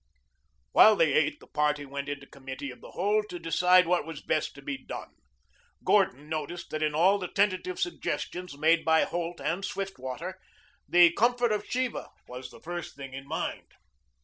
While they ate, the party went into committee of the whole to decide what was best to be done. Gordon noticed that in all the tentative suggestions made by Holt and Swiftwater the comfort of Sheba was the first thing in mind.